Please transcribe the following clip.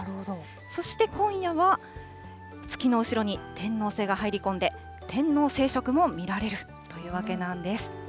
そして今夜は月の後ろに天王星が入り込んで、天王星食も見られるというわけなんです。